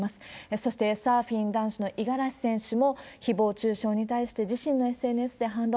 そしてサーフィン男子の五十嵐選手も、ひぼう中傷に対して、自身のＳＮＳで反論。